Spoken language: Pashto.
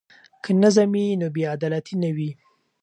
که نظم وي نو بې عدالتي نه وي.